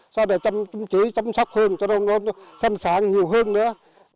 sau này chăm chỉ chăm sóc hơn cho nó sân sáng nhiều hơn nữa